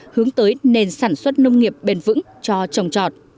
hướng tới nền sản xuất nông nghiệp bền vững cho trồng trọt